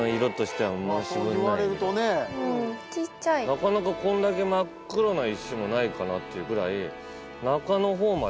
なかなかこんだけ真っ黒な石もないかなっていうぐらい。